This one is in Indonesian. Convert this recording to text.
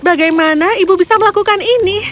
bagaimana ibu bisa melakukan ini